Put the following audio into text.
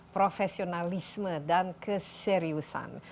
profesionalisme dan keseriusan